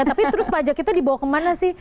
tapi terus pajak kita dibawa kemana sih